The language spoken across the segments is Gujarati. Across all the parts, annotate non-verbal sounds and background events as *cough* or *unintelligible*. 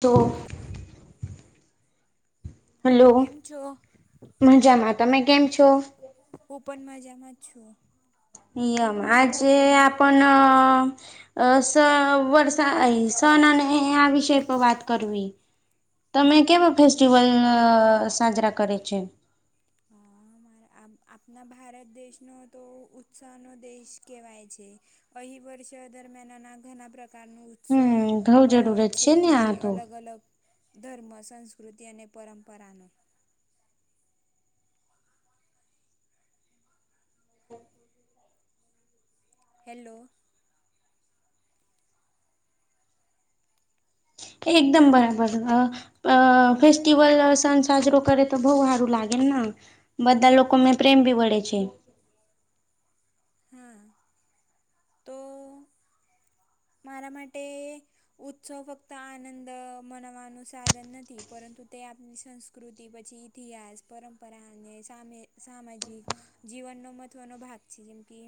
તો હેલો હલો કેમ છો મજામાં તમે કેમ છો હું પણ મજામાં જ છું નિયમ આજે આપણ અ સ વર્ષ સન અને આ વિષય પર વાત કરવી તમે કેવા ફેસ્ટિવલ સાજરા કરે છે હા મારા આ આપના ભારત દેશનો તો ઉત્સાહનો દેશ કહેવાય છે અહીં વર્ષ દરમિયાનના ઘણા પ્રકારનું હમ ઘઉ જરૂરત છે ને જેમ આ કે તો અલગ અલગ ધર્મ સંસ્કૃતિ અને પરંપરાનો હેલો એકદમ બરાબર અ ફેસ્ટિવલ સન સાજરો કરે તો ભઉ આારું લાગેને બધા લોકોને પ્રેમ બી વળે છે હમ તો મારા માટે ઉત્સવ ફક્ત આનંદ મનાવવાનું સાધન નથી પરંતુ તે આપની સંસ્કૃતિ પછી ઇતિહાસ પરંપરા અને સામે સામાજિક જીવનનો મહત્ત્વનો ભાગ છે જેમ કે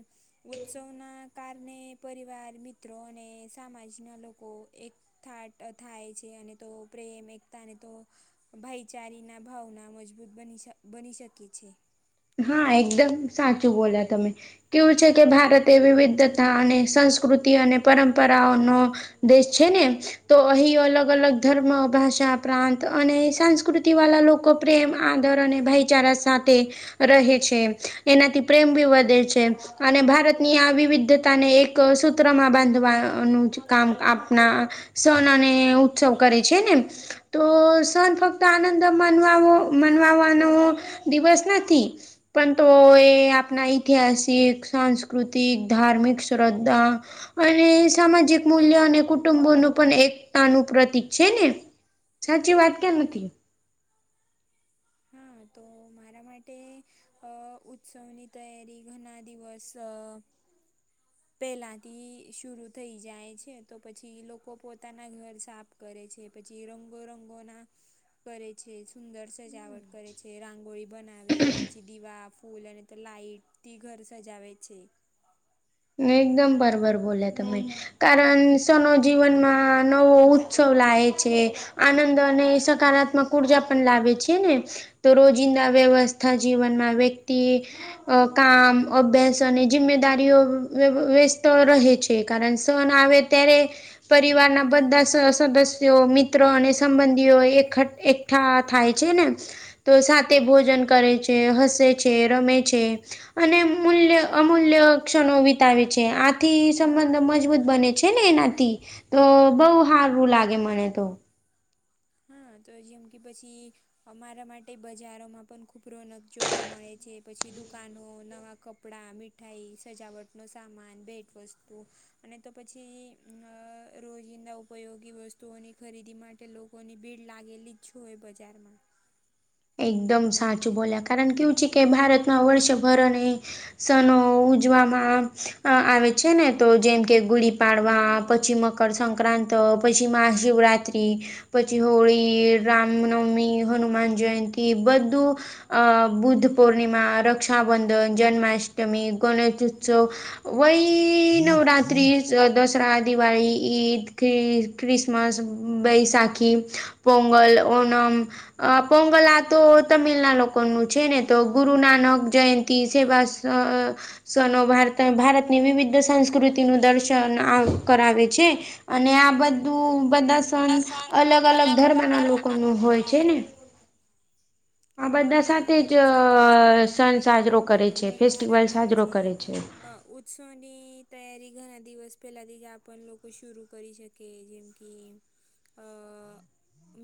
ઉત્સવના કારણે પરિવાર મિત્રો અને સમાજના લોકો એક થાટ થાય છે અને તો પ્રેમ એકતાને તો ભાઈચારી ના ભાવના મજબૂત બની બની શકે છે હા એકદમ સાચું બોલા્યા તમે કેવું છે કે ભારતે વિવિધતા અને સંસ્કૃતિ અને પરંપરાઓનો દેશ છે ને તો અહીં અલગ અલગ ધર્મ ભાષા પ્રાંત અને સંસ્કૃતિ વાળા લો કો પ્રેમ આદર અને ભાઈચારા સાથે રહે છે એનાથી પ્રેમ ભી વધે છે અને ભારતની આ વિવિધતા ને એક સૂત્રમાં બાંધવાનું જ કામ આપના સૌના અને ઉત્સવ કરે છે એ ને તો સન ફક્ત આનંદ મનવા માણવાનો દિવસ નથી પણ તો એ આપણા ઐતિહાસિક સાંસ્કૃતિક ધાર્મિક શ્રદ્ધા અને સામાજિક મૂલ્ય અને કુટુંબોનું પણ એકતાનું પ્રતિક છે ને સાચી વાત કેમ નથી હા તો મારા માટે અ ઉત્સવની તૈયારી ઘણા દિવસ *unintelligible* પહેલાંથી શૂરૂ થઈ જાય છે તો પછી લોકો પોતાના ઘર સાફ કરે છે પછી રંગો રંગો ના કરે છે સુંદર સજાવટ કરે છે રાંગ હોળી બનાવે પછી દીવા ફૂલ અને તો લાઈટથી ઘર સજાવે છે. એકદમ બરબર બોલ્યા તમે કારણ સનો જીવનમાં નવો ઉત્સવ લાએ છે. આનંદ અને સકારાત્મક ઉર્જા પણ લાવે છે ને તો રોજિંદા વ્યવસ્થા જીવનમાં વ્યક્તિ અ કામ અભ્યસ અને જિમ્મેદારીઓ વ્યસ્ત રહે છે કારણ સન આવે ત્યારે પરિવારના બધા સદસ્યો મિત્રો અને સંબંધીઓ એકઠ એક થાય છે ને તો સાથે ભોજન કરે છે હસે છે રમે છે અને મૂલ્ય અમૂલ્ય ક્ષણ વી તાવે છે આથી સંબંધ મજબૂત બને છે ને એનાથી તો બઉુ હારું લાગે મને તો હા તો જેમ કે પછી અમારા માટે બજારોમાં પણ ખૂબ રોનક જોવા મળે છે પછી દુકાનો નવા કપ કપડાં મીઠાઈ સજાવટનો સામાન ભેટવસ્તુ અને તો પછી અ રોજિંદા ઉપયોગી વસ્તુઓની ખરીદી માટે લોકોની ભીડ લાગેલી છું હે બજારમાં એકદમ સાચું બોલ્યા કારણ કેવું છે કે ભારતમાં વર્ષભરને સનો ઉજવામાં આ આવે છે ને તો જેમ કે ગુળી પાડવા પછી મ મકરસંક્રાંત પછી મહાશિવરત્રી પછી હોળી રામનવમી હનુમાન જયંતિ બધું અ બુદ્ધ પૂર્ણિમા રક્ષાબંધન જન્માષ્ટમી ગણેશ ઉત્સવ વહી નવરાત્રી દસરા દિવાળી ઈદ ખ ક્રિસમસ બૈસાખી પોંગલ ઓણમ અ પોંગલ આ તો તમિલના લોકો નું છે ને તો ગુરુ નાનક જયંતિ સેવા સ સ્નો ભાર ભારતની વિવિધ સંસ્કૃતિ નું દર્શન આમ કરાવે છે. અને આ બધું બધા સંત અલગ અલગ ધર્મ ના લોકો નુ હોય છે ને આ બધા હા સાથે તો જ સાચું જ છે સન પછી હું સાજરો એમ બી કરે છે ફેસ્ટિવલ સાજરો કરે છે. હ ઉત્સવની તૈયારી ઘણા દિવસ પહેલાથી જ આપણ લોકો શરૂ કરી શકે. કે જેમ કે અ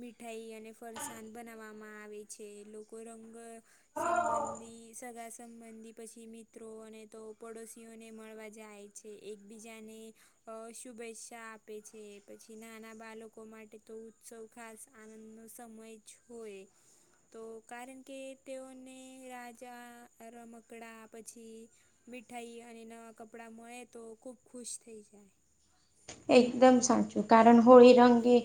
મીઠાઈ અને ફરસાણ બનાવવામાં આવે છે લોકો રંગ બ સંબંધી સગા સંબંધી પછી મિત્રો અને તો પડોશીઓને મળવા જાય છે એકબીજાને અ શુભેચ્છા આપે છે પછી નાના બાળકો માટે તો ઉત્સવ ખાસ આનંદનો સમય જ હોય તો કારણ કે તેઓને રાજા રમકડા પછી મીઠાઈ અને નવાં કપડાં મળે તો ખૂબ ખુશ થઈ જાય. એકદમ સાચું કારણ હોળી રંગે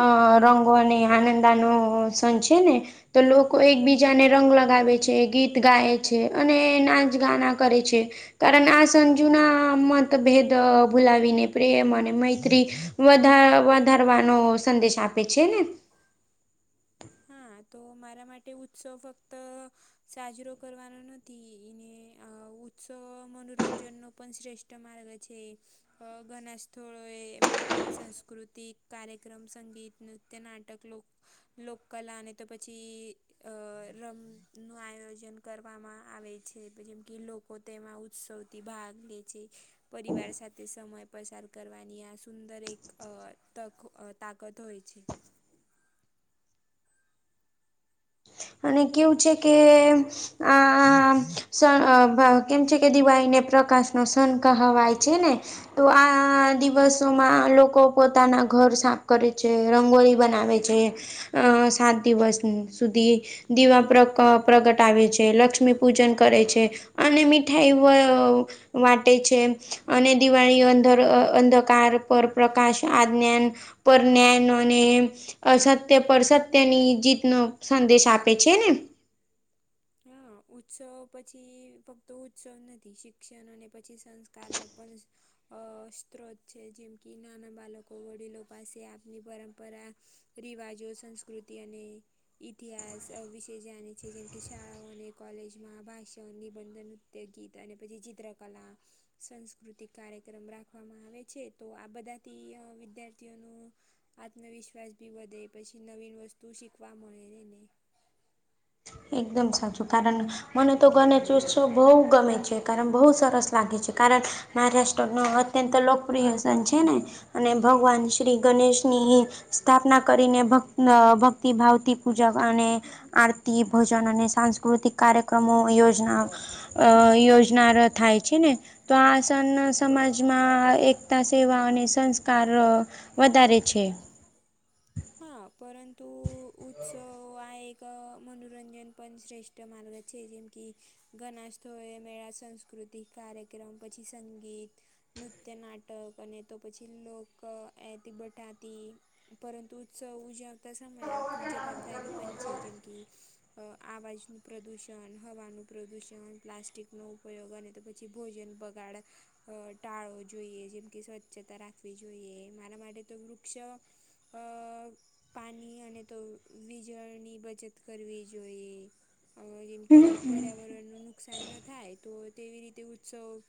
અ રંગો અને આનંદાનો સન છે ને તો લોકો એકબીજાને રંગ લગાવે છે ગીત ગાય છે અને નાચ ગાના કરે છે. કારણ આ સંજુના મતભેદ ભૂલાવીને પ્રેમ અને મૈત્રી વધા વધારવાનો સંદેશ આપે છે ને. હા તો મારા માટે ઉત્સવ ફક્ત સાજરો કરવાનો નથી એને અ ઉત્સવ મનોરંજન નો પણ શ્રેષ્ઠ માર્ગ છે. અ ઘણાસ્થોળએ મેળા સંસ્કૃતિક કાર્યક્રમ સંગીત નૃત્ય નાટક લોક લોક કલાને તો પછી અ રમનું આયોજન કરવામાં આવે છે જેમ કે લોકો તેમાં ઉત્સવથી ભાગ લે છે. પરિવાર સાથે સમય પસાર કરવાની આ સુંદર એક અ તક તાકત હોય છે. અને કેવું છે કે આ કેમ છે કે દિવાળીને પ્રકાશ નો સન કહવાય છે ને તો આ દિવસોમાં લોકો પોતાના ઘર સાફ કરે છે રંગોળી બનાવે છે. અ સાત દિવસ સુધી દીવા પ્ર પ્રગટાવે છે લક્ષ્મી પૂજન કરે છે. અને મીઠાઈ *unintelligible* વાટે છે અને દિવાળી અંધર અંધકાર પર પ્રકાશ આજ્ઞાન પર ન્યાયનો ને અસત્ય પર સત્યની જીત નો સંદેશ આપે છે ને હ ઉત્સવ પછી ફક્ત ઉત્સવ નથી શિક્ષણ અને પછી સંસ્કાર નો પણ અ સ્ત્રોત છે જેમ કે નાના બાળકો વડીલો પાસે આપની પરંપરા રિવાજો સંસ્કૃતિ અને ઇતિહાસ વિશે જાણે છે જેમ કે શાળાઓને કોલેજમાં ભાષણ નિબંધન નૃદ્યોગીત અને પછી ચિત્રકલા સંસ્કૃતિક કાર્યક્રમ રાખવામાં આવે છે તો આ બધાથી અ વિદ્યાર્થીઓનું આત્મવિશ્વાસ બી વધે પછી નવી વસ્તુ શીખવા મળે એને એકદમ સાચું કારણ મને તો ગણેશ ઉત્સવ બહુ ગમે છે કાર બહુ સરસ લાગે છે કારણ મહારાષ્ટ્ર નો અત્યંત લોકપ્રિય સન છે ને અને ભગવાન શ્રી ગણેશની સ્થાપના કરીને ભ ભક્તિ ભાવથી પૂજા અને આર તી ભોજન અને સાંસ્કૃતિક કાર્યક્રમો યોજના અ યોજના થાય છે ને તો આસન સમાજમાં એકતા સેવા અને સંસ્કાર વધારે છે. હા પરંતુ ઉત્સવ આ એક મનોરંજન પણ શ્રેષ્ઠ માર્ગ છે જેમકી ગણાસ્થોળે મેળા સંસ્ કૃતિક કાર્યક્રમ પછી સંગીત નૃત્ય નાટક અને તો પછી લોક એથી બઠાતી પરંતુ ઉત્સવ ઉજવતા સમયે આપની જવાબદારી પણ છે જેમ કે આવાજનું પ્રદૂષણ હવાનું પ્રદુષણ પ્લાસ્ટિકનો ઉપયોગ અને તો પછી ભોજન બગાડ અ ટાળો જોઈએ જેમ કે સ્વચ્છતા રાખવી જોઈએ મારા માટે તો વૃક્ષ અ પાણી અને તો વીજળની બચત કરવી જોઈએ. અ જેમ પર્યાવરણનું ન નુકસાન ન થાય તો તેવી રીતે ઉત્સવ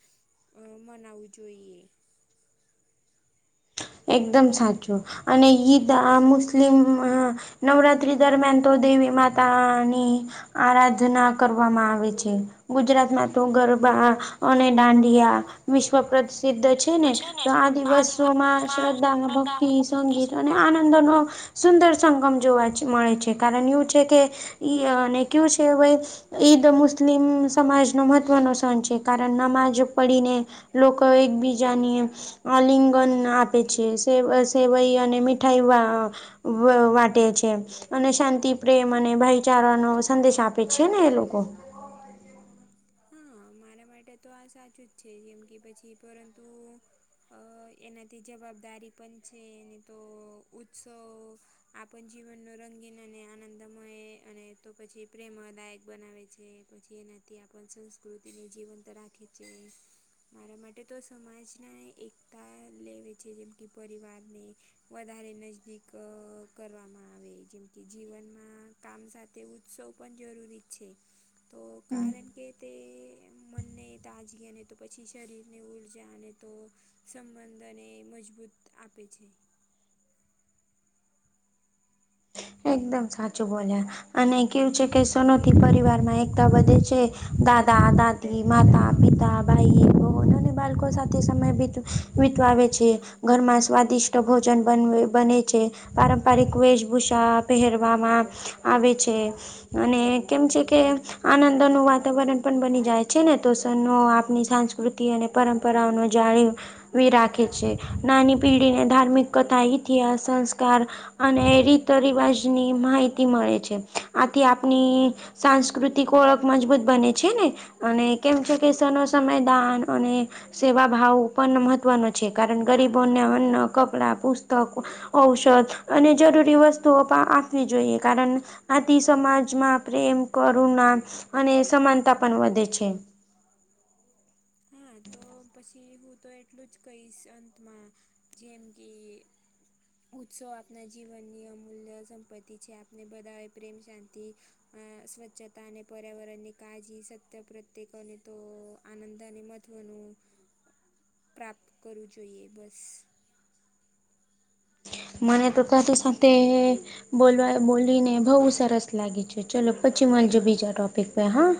મનાવવું જોઈએ એકદમ સાચું અને ઈદ આ મુસ્લિમ નવરાત્રી દરમિયાન તો દેવી માતાની આરાધના કરવામાં આવે છે. ગુજરાતમાં તો ગરબા અને દાંડિયા વિશ્વ સિદ્ધ છે ને તો આ દિવસોમાં શ્રદ્ધા ભક્તિ સંગીત અને આનંદો નો સુંદર સંગમ જોવા મળે છે કારણ એવું છે કે ઈને કયું છે ભાઈ ઈદ મુસ્લિમ સમાજનો મહત્વનો સણ છે કારણ નમાજ પડીને લોકો એકબીજાની અલિંગન ના આપે છે સેવઈ અને મીઠાઈ વાટે છે. અને શાંતિ પ્રેમ અને ભાઈચારાનોો સંદેશ આપે છે ને એ લોકો હા મારા માટે તો આ સાચું જ છે જેમ કે પછી પરંતુ અ એનાથી જવાબદારી પણ છે એને તો ઉત્સવ આપણ જીવનનો રંગીન અને આનંદમય અને તો પછી પ્રેમદાયક બનાવે છે. પછી એનાથી આપણ સંસ્કૃતિને જીવંત રાખે છે. મારા માટે તો સમાજના એકતા લેવે છે જેમ કે પરિવારને વધારે નજીદીક કરવામાં આવે જેમ કે જીવનમાં કામ સાથે ઉત્સવ પણ જરૂરી છે તો હમ કારણ કે તે મનને તાજગને તો પછી શરીરને ઉર્જા અને તો સંબંધને મજબૂત આપે છે. એકદમ સાચું બોલ અને કેવું છે કે સનોથી પરિવાર માં એકતા વધે છે દાદા દા માતા પિતા ભાઈ બહનો અને બાળકો સાથે સમયીત વિીતવે છે ઘરમાં સ્વાદિષ્ટ ભોજન બન બને છે પારંપરિક વેશ ભૂષા પહેરવામાં આવે છે. અને કેમ છે કે આનંદ ન વાતાવરણ પણ બની જાય છે ને તો સ આપણી સાં સ્ૃતિ અને પરંપરાઓનું જાણી્યું રાખે છે નાની પેઢીને ધાર્મિક કથા ઇતિહાસ સંસ્કાર અને રીત રિવાજની માહિતી મળે છે આથી આપની સાંસ્કૃતિક ઓળખ મજબૂત બને છે ને અને કેમ છે કે સમય સમય દાન અને સેવા ભાવ પણ મહત્વનો છે કારણ ગરીબોને અન્ન, કપડા, પુસ્તક ઔષધ અને જરૂરી વસ્તુ આપવી જોઈએ કારણ આથી સમાજમાં પ્રેમ, કરુણા અને સમાનતા પણ વધે છે. હા તો પછી હું તો એટલું જ કહીશ અંતમાં જેમ કે ઉત્સવ આપના જીવનની અમૂલ્ય સંપત્તિ છે. આપને બધા પ્રેમ શાંતિ અ સ્વચ્છતા અને પર્યાવરણની કાળજી સત્ય પ્રત્યેકોને તો આનંદાન મત મહત્વનું પ્રાપ્ત કરવું જોઈએ બસ. મને તો *unintelligible* સાથે બોલવા બોલીને બહુ સરસ લાગી છે. ચલો પછી મળજે બીજા ટોપિક પર હા.